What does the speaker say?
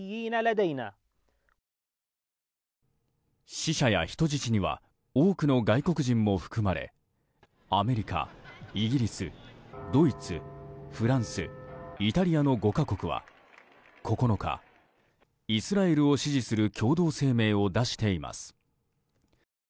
死者や人質には多くの外国人も含まれアメリカ、イギリスドイツ、フランスイタリアの５か国は、９日イスラエルを支持する共同声明を出しています。